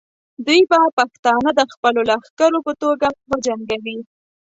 دوی به پښتانه د خپلو لښکرو په توګه وجنګوي.